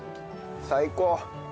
最高！